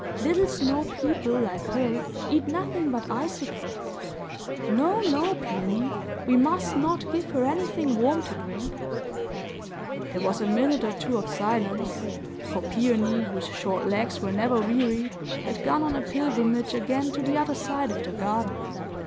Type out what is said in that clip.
Little snow people, like her, eat nothing but icicles. No, no, Peony; we must not give her anything warm to drink!" There was a minute or two of silence; for Peony, whose short legs were never weary, had gone on a pilgrimage again to the other side of the garden.